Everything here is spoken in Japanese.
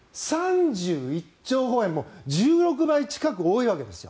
３１兆円、もう１６倍近く多いわけです。